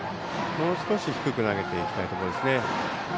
もう少し低く投げていきたいところですね。